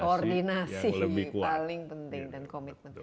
koordinasi yang paling penting dan komitmen kita